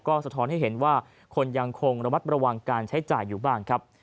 ก็สะท้อนให้เห็นว่าคนยังคงระมัดระวังการใช้จ่ายอยู่บ้างครับ